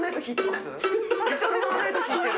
『リトル・マーメイド』弾いてる。